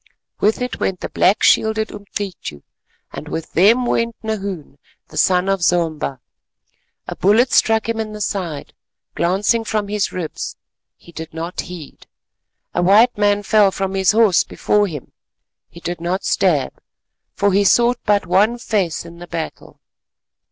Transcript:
With it went the black shielded Umcityu and with them went Nahoon, the son of Zomba. A bullet struck him in the side, glancing from his ribs, he did not heed; a white man fell from his horse before him, he did not stab, for he sought but one face in the battle.